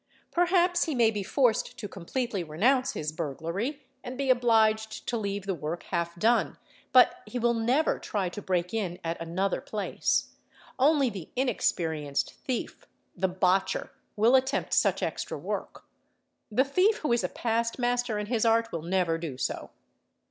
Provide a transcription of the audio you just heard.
Perhaps he may be forced to completely renounce his burglary and be obliged to leave the work half done, but he will néver try to break in at another place: only — the inexperienced thief, the botcher, will attempt such extra work; the thief who is a past master in his art will never do so.